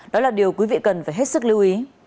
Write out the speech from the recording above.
đó là điều quý vị cần phải hết sức lưu ý